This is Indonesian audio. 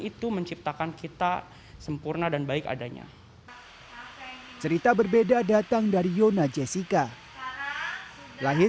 itu menciptakan kita sempurna dan baik adanya cerita berbeda datang dari yona jessica lahir